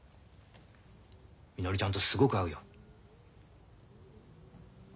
みのりちゃんとすごく合うよ。